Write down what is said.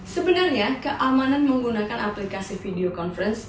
sebenarnya keamanan menggunakan aplikasi video conference